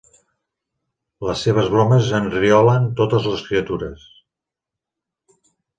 Les seves bromes enriolen totes les criatures.